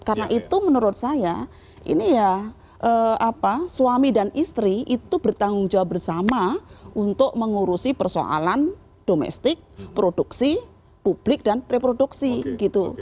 karena itu menurut saya ini ya suami dan istri itu bertanggung jawab bersama untuk mengurusi persoalan domestik produksi publik dan reproduksi gitu